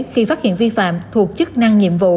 khi phát hiện vi phạm thuộc chức năng nhiệm vụ